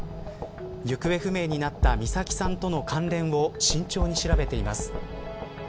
行方不明になった美咲さんとの関連を慎重に調べています。